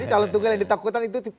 jadi calon tunggal yang ditakutan itu